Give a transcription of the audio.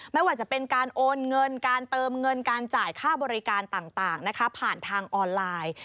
ไม่ว่าจะเป็นการโอนเงินการเติมเงินการจ่ายค่าบริการต่างนะคะผ่านทางออนไลน์